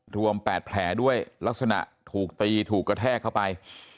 รวม๘แผลด้วยลักษณะถูกตีถูกกระแทกเข้าไป